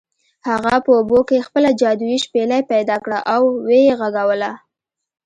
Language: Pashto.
هغه په اوبو کې خپله جادويي شپیلۍ پیدا کړه او و یې غږوله.